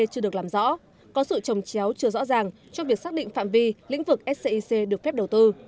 chưa được làm rõ có sự trồng chéo chưa rõ ràng trong việc xác định phạm vi lĩnh vực scic được phép đầu tư